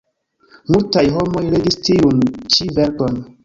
Multaj homoj legis tiun ĉi verkon.